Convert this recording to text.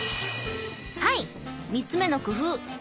はい３つ目の工夫！